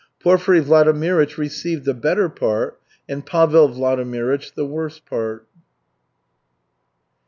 Porfiry Vladimirych received the better part and Pavel Vladimirych the worse part.